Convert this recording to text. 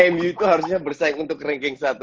mu itu harusnya bersaing untuk ranking satu